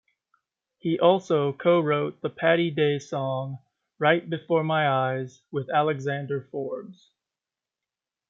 He also co-wrote the Patti Day song "Right Before My Eyes" with Alexander Forbes.